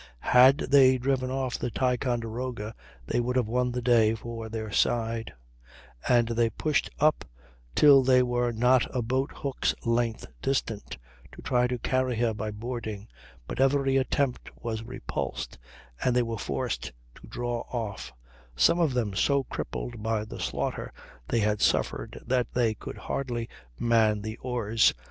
Had they driven off the Ticonderoga they would have won the day for their side, and they pushed up till they were not a boat hook's length distant, to try to carry her by boarding; but every attempt was repulsed and they were forced to draw off, some of them so crippled by the slaughter they had suffered that they could hardly man the oars.